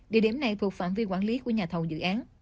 địa điểm này thuộc phản viên quản lý của nhà thầu dự án